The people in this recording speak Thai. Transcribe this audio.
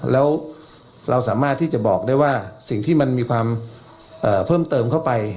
แล้วเราสามารถที่จะบอกได้ว่าสิ่งที่มันมีความเพิ่มเติมเข้าไป